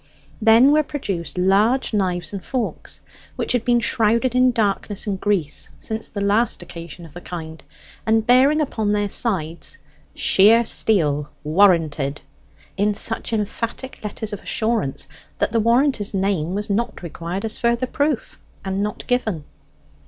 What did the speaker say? Then were produced large knives and forks, which had been shrouded in darkness and grease since the last occasion of the kind, and bearing upon their sides, "Shear steel, warranted," in such emphatic letters of assurance, that the warranter's name was not required as further proof, and not given.